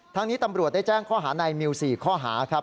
นี้ตำรวจได้แจ้งข้อหานายมิว๔ข้อหาครับ